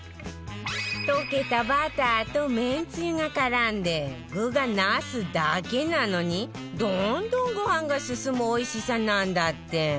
溶けたバターとめんつゆが絡んで具が茄子だけなのにどんどんご飯が進むおいしさなんだって